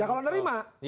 ya kalau menerima